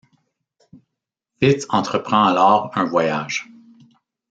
Fitz entreprend alors un voyage.